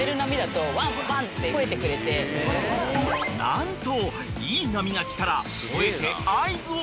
［何と］